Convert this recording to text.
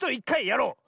やろう！